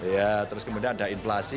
ya terus kemudian ada inflasi